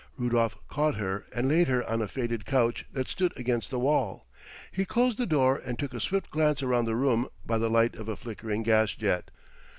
Rudolf caught her and laid her on a faded couch that stood against the wall. He closed the door and took a swift glance around the room by the light of a flickering gas jet.